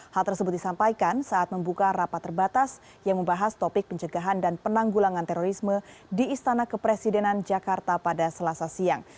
hal tersebut disampaikan saat membuka rapat terbatas yang membahas topik pencegahan dan penanggulangan terorisme di istana kepresidenan jakarta pada selasa siang